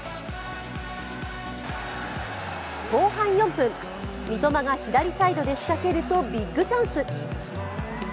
後半４分、三笘が左サイドで仕掛けるとビッグチャンス。